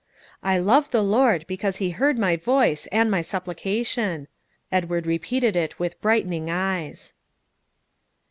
"I love the Lord, because He has heard my voice and my supplication," Edward repeated it with brightening eyes.